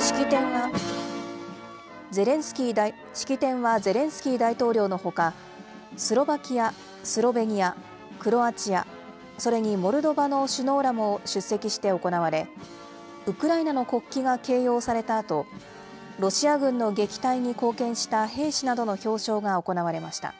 式典は、ゼレンスキー大統領のほか、スロバキア、スロベニア、クロアチア、それにモルドバの首脳らも出席して行われ、ウクライナの国旗が掲揚されたあと、ロシア軍の撃退に貢献した兵士などの表彰が行われました。